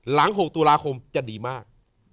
หลัง๖ตุลาคมจะดีมาก